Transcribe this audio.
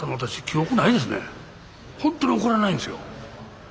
ほんとに怒らないんですよ。